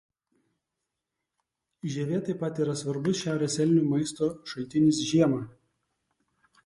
Žievė taip pat yra svarbus šiaurės elnių maisto šaltinis žiemą.